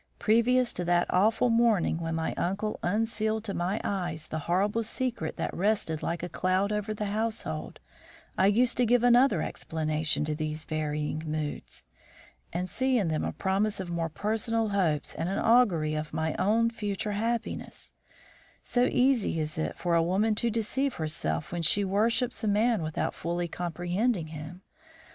Previous to that awful morning when my uncle unsealed to my eyes the horrible secret that rested like a cloud over the household, I used to give another explanation to these varying moods, and see in them a promise of more personal hopes and an augury of my own future happiness; so easy is it for a woman to deceive herself when she worships a man without fully comprehending him.